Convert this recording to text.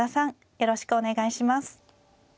よろしくお願いします。